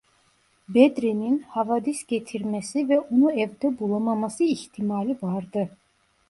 Bedri’nin havadis getirmesi ve onu evde bulamaması ihtimali vardı.